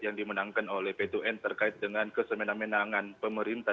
yang dimenangkan oleh p dua n terkait dengan kesemena menangan pemerintah